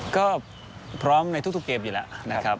ก็พร้อมในทุกเกมอยู่แล้วนะครับ